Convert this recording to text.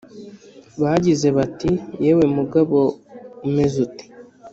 Bagize bati: yewe mugabo umeze ute